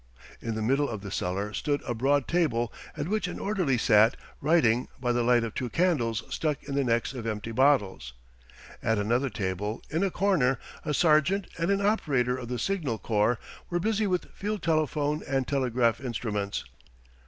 In the middle of the cellar stood a broad table at which an orderly sat writing by the light of two candles stuck in the necks of empty bottles. At another table, in a corner, a sergeant and an operator of the Signal Corps were busy with field telephone and telegraph instruments.